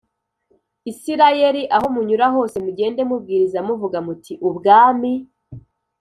Isirayeli Aho munyura hose mugende mubwiriza muvuga muti ubwami